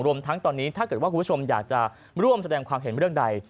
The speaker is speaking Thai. รวมทั้งตอนนี้ถ้าเกิดว่าคุณผู้ชมอยากจะร่วมแสดงความเห็นเรื่องใด